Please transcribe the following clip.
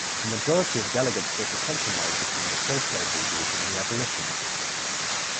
The majority of delegates sought a compromise between the pro-slavery group and the abolitionists.